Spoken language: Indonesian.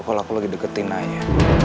kalau aku lagi deketin ayahnya